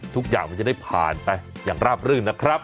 ทุกอย่างมันจะได้ผ่านไปอย่างราบรื่นนะครับ